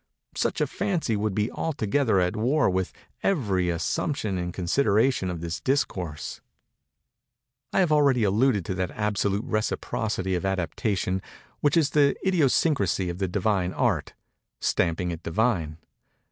Such a fancy would be altogether at war with every assumption and consideration of this Discourse. I have already alluded to that absolute reciprocity of adaptation which is the idiosyncrasy of the divine Art—stamping it divine.